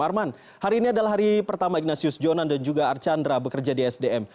arman hari ini adalah hari pertama ignatius jonan dan juga archandra bekerja di sdm